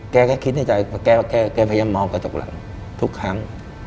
แก้แก้คิดในใจแก้แก้แก้แก้พยายามมองกระจกหลังทุกครั้ง